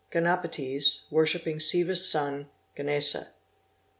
5 Ganapaties worshiping Siva's son, Ganesa.